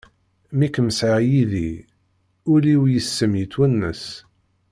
Mi kem-sɛiɣ yid-i, ul-iw yess-m yetwennes.